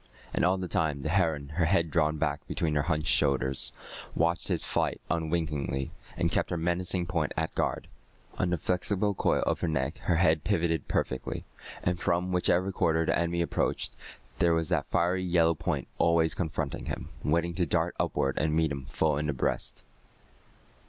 And all the time the heron, her head drawn back between her hunched shoulders, watched his flight unwinkingly, and kept her menacing point at guard. On the flexible coil of her neck her head pivoted perfectly, and from whichever quarter the enemy approached, there was that fiery yellow point always confronting him, waiting to dart upward and meet him full in the breast.